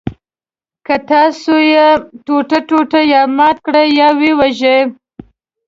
که تاسو یې ټوټه ټوټه یا مات کړئ یا وژوئ.